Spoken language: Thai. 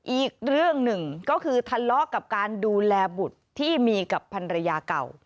อีกเรื่องหนึ่งก็คือทะเลาะกับการดูแลบุตรที่มีกับพันรยาเก่า